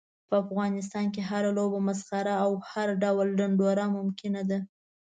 په افغانستان کې هره لوبه، مسخره او هر ډول ډنډوره ممکنه ده.